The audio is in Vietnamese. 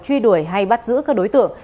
truy đuổi hay bắt giữ các đối tượng